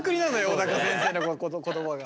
小高先生の言葉が。